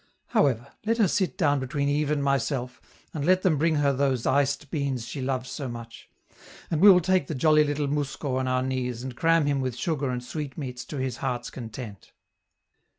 However, let her sit down between Yves and myself and let them bring her those iced beans she loves so much; and we will take the jolly little mousko on our knees and cram him with sugar and sweetmeats to his heart's content.